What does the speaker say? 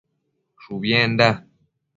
Shubienda